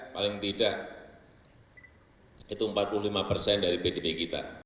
paling tidak itu empat puluh lima persen dari pdb kita